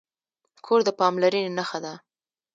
کور د پاملرنې نښه ده.